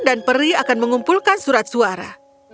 dan peri akan mengumpulkan surat suara